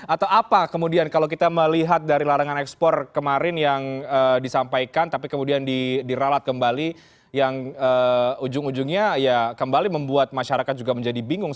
atau apa kemudian kalau kita melihat dari larangan ekspor kemarin yang disampaikan tapi kemudian diralat kembali yang ujung ujungnya ya kembali membuat masyarakat juga menjadi bingung